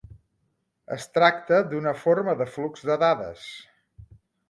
Es tracta d'una forma de flux de dades.